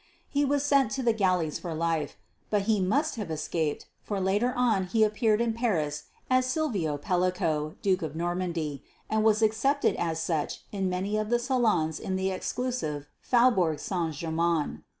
He was sent to the galleys for life. But he must have escaped, for later on he appeared in Paris as Silvio Pellico, Duke of Normandy, and was accepted as such in many of the salons in the exclusive Faubourg St. Germain.